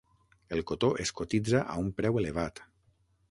El cotó es cotitza a un preu elevat.